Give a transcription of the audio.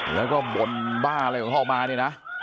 แล้วก็บ่นบ้าอะไรของเขามาเนี่ยนะ